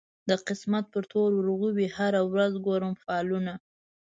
د قسمت پر تور اورغوي هره ورځ ګورم فالونه